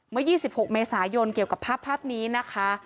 เมื่อ๒๖เมษายนเกี่ยวกับภาพนี้นะคะ